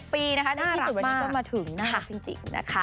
ปีนะคะในที่สุดวันนี้ก็มาถึงน่ารักจริงนะคะ